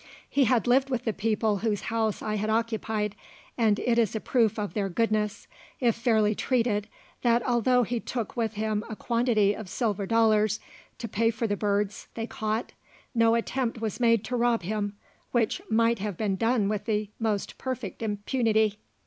He had lived with the people whose house I had occupied, and it is a proof of their goodness, if fairly treated, that although he took with him a quantity of silver dollars to pay for the birds they caught, no attempt was made to rob him, which might have been done with the most perfect impunity.